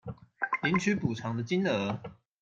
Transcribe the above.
領取補償的金額